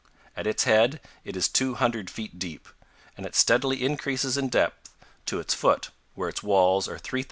At its head it is 200 feet deep, and it steadily increases in depth to its foot, where its walls are 3,500 feet high.